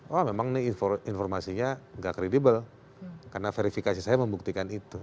wah memang ini informasinya nggak kredibel karena verifikasi saya membuktikan itu